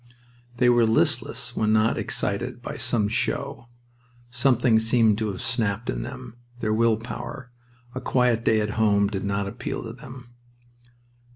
They were listless when not excited by some "show." Something seemed to have snapped in them; their will power. A quiet day at home did not appeal to them.